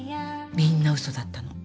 みんなウソだったの。